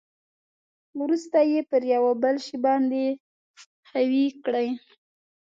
ورسته یې پر یو بل شي باندې ښوي کړئ.